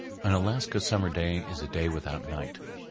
An Alaska summer day is a day without night.